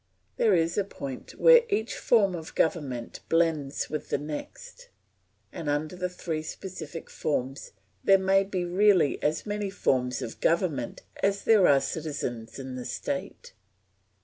There is a point where each form of government blends with the next; and under the three specific forms there may be really as many forms of government as there are citizens in the state.